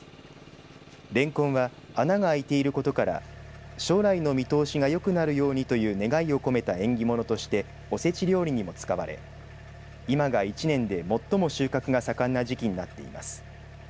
れんこんは穴が開いていることから将来の見通しがよくなるようにという願いを込めた縁起物としておせち料理にも使われ今が１年で最も収穫が盛んな時期になっています。